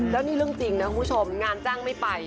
แล้วนี่เรื่องจริงนะคุณผู้ชมงานจ้างไม่ไป